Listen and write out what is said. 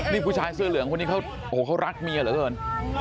นี่ผู้ชายเสื้อเหลืองคนนี้เขารักเมียเหรอเอิ้น